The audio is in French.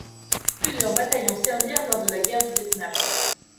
Plusieurs bataillons servirent lors de la guerre du Viêt Nam.